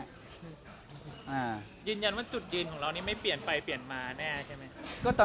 ยืนยันว่าจุดยืนของเรานี่ไม่เปลี่ยนไปเปลี่ยนมาแน่ใช่ไหมครับ